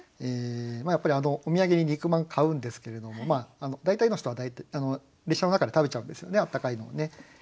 やっぱりお土産に肉まん買うんですけれども大体の人は列車の中で食べちゃうんですよね温かいのをね。